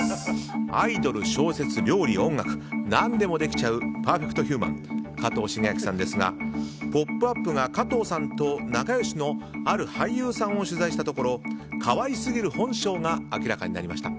アイドル、小説、料理、音楽何でもできちゃうパーフェクトヒューマン加藤シゲアキさんですが「ポップＵＰ！」が加藤さんと仲良しのある俳優さんを取材したところ可愛すぎる本性が明らかになりました。